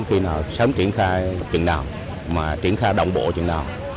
khi nào sớm triển khai chuyện nào mà triển khai đồng bộ chuyện nào